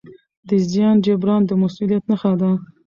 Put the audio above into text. د زیان جبران د مسؤلیت نښه ده.